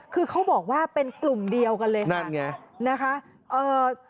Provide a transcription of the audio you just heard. คือเขาบอกว่าเป็นกลุ่มเดียวกันเลยค่ะนั่นไง